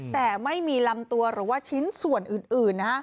แต่ไม่มีลำตัวหรือว่าชิ้นส่วนอื่น